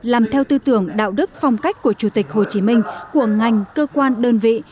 làm theo tư tưởng đạo đức phong cách của chủ tịch hồ chí minh của ngành cơ quan đơn vị